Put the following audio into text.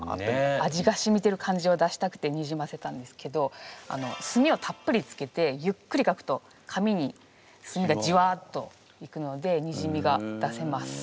味がしみてる感じを出したくてにじませたんですけど墨をたっぷりつけてゆっくり書くと紙に墨がじわっといくのでにじみが出せます。